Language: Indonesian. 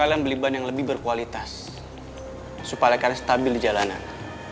kalian beli ban yang lebih berkualitas supaya karena stabil di jalanan